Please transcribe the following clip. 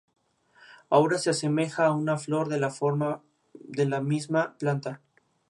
Ahora, se asemeja a una flor de la misma planta.